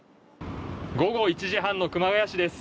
午後１時半の熊谷市です。